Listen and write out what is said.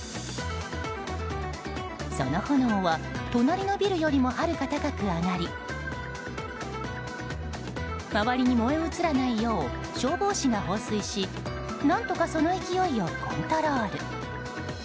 その炎は隣のビルよりもはるか高く上がり周りに燃え移らないよう消防士が放水し何とかその勢いをコントロール。